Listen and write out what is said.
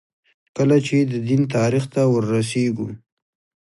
کله چې د دین تاریخ ته وررسېږو.